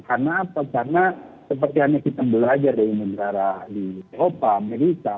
karena apa karena seperti yang kita belajar di indonesia di eropa amerika